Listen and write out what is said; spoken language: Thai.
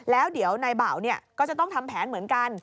แล้วเดี๋ยวนายเบาก็จะต้องทำแผนเหมือนกัน